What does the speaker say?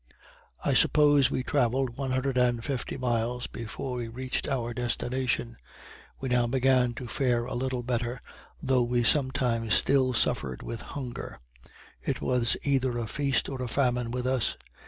I suppose we travelled one hundred and fifty miles before we reached our destination. We now began to fare a little better, though we sometimes still suffered with hunger it was either a feast or a famine with us.